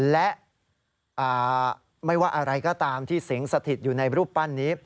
และไม่ว่าอะไรก็ตามที่สิงสถิตอยู่ในรูปปั้นนี้